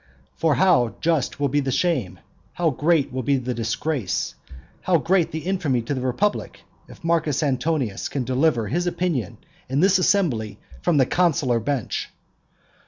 For how just will be the shame, how great will be the disgrace, how great the infamy to the republic, if Marcus Antonius can deliver his opinion in this assembly from the consular bench.